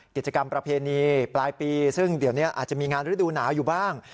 กิจกรรมประเพณีปลายปีซึ่งเดี๋ยวนี้อาจจะมีงานฤดูหนาวอยู่บ้าง